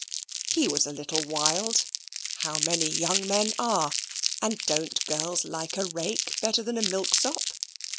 He was a little wild: how many young men are; and don't girls like a rake better than a milksop?